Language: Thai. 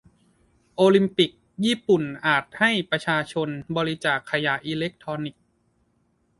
โอลิมปิก ญี่ปุ่นอาจให้ประชาชนบริจาคขยะอิเล็กทรอนิกส์